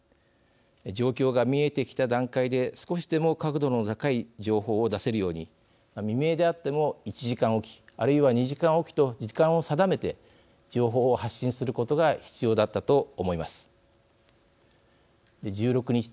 状況が見えてきた段階で少しでも確度の高い情報を出せるように未明であっても１時間おきあるいは２時間おきと時間を定めて情報を発信することが必要だったと思います。